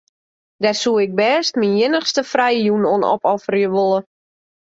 Dêr soe ik bêst myn iennichste frije jûn oan opofferje wolle.